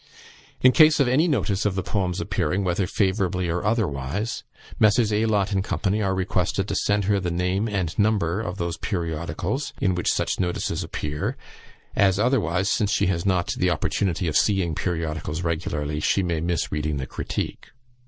In case of any notice of the poems appearing, whether favourable or otherwise, Messrs. Aylott and Co. are requested to send her the name and number of those periodicals in which such notices appear; as otherwise, since she has not the opportunity of seeing periodicals regularly, she may miss reading the critique.